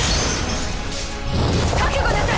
覚悟なさい！